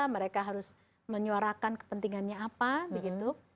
mereka harus menyuarakan kepentingannya apa begitu